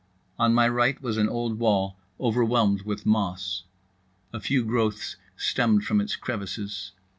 On my right was an old wall overwhelmed with moss. A few growths stemmed from its crevices.